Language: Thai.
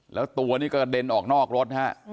แล้วตัวนี้กระเด็นออกนอกรถฮะ